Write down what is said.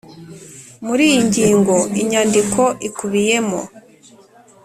Muri iyi ngingo inyandiko ikubiyemo